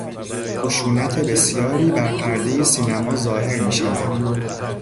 خشونت بسیاری بر پردهی سینما ظاهر میشود.